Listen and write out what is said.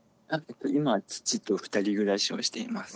今父と２人暮らしをしています。